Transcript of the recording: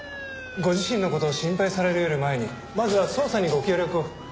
ご自身の事を心配されるより前にまずは捜査にご協力を。